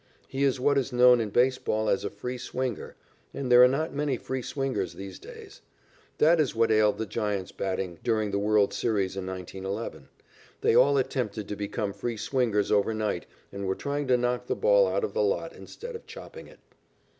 He is what is known in baseball as a free swinger, and there are not many free swingers these days. This is what ailed the Giants' batting during the world's series in 1911. They all attempted to become free swingers overnight and were trying to knock the ball out of the lot, instead of chopping it.